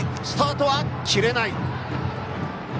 スタートは切れない。